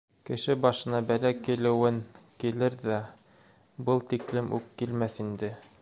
Кеше башына бәлә килеүен килер ҙә, был тиклем үк килмәҫ инде.